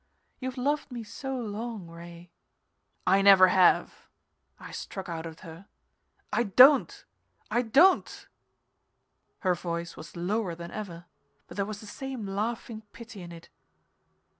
You've loved me so long, Ray." "I never have!" I struck out at her. "I don't! I don't!" Her voice was lower than ever, but there was the same laughing pity in it.